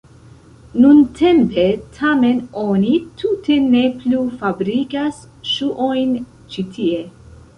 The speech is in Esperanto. Nuntempe tamen oni tute ne plu fabrikas ŝuojn ĉi tie.